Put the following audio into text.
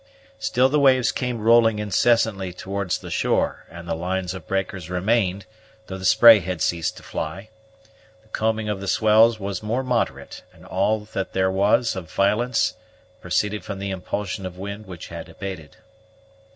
Still the waves came rolling incessantly towards the shore, and the lines of breakers remained, though the spray had ceased to fly; the combing of the swells was more moderate, and all that there was of violence proceeded from the impulsion of wind which had abated.